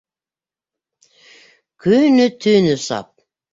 Көнө-төнө сап.